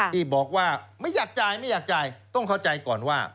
ที่บอกว่าไม่อยากจ่ายไม่อยากจ่ายต้องเข้าใจก่อนว่า